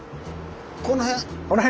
この辺。